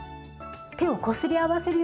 手をこすり合わせるようにして。